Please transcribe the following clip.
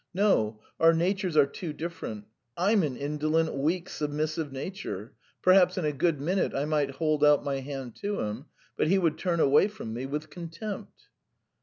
No! Our natures are too different. I'm an indolent, weak, submissive nature. Perhaps in a good minute I might hold out my hand to him, but he would turn away from me ... with contempt."